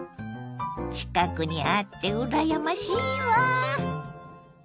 近くにあってうらやましいわ。